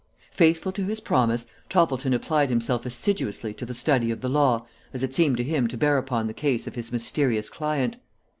Faithful to his promise, Toppleton applied himself assiduously to the study of the law as it seemed to him to bear upon the case of his mysterious client.